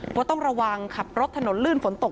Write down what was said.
เพราะต้องระวังขับรถถนนลื่นฝนตก